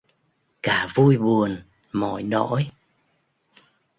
Cả vui buồn mọi nỗi